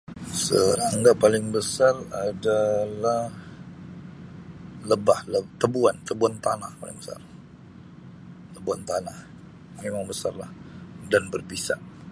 Serangga paling besar adalah lebah, le-tebuan, tebuan tanah paling besar. Tebuan tanah memang besarlah dan berbisa.